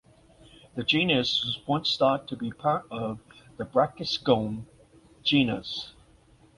The genus was once thought to be part of the Brachyscome genus.